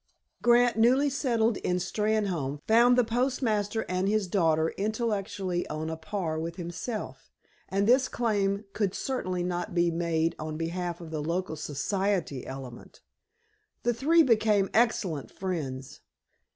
Grant, newly settled in Steynholme, found the postmaster and his daughter intellectually on a par with himself, and this claim could certainly not be made on behalf of the local "society" element. The three became excellent friends.